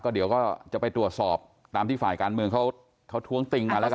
เดี๋ยวก็จะไปตรวจสอบตามที่ฝ่ายการเมืองเขาท้วงติงมาแล้วกัน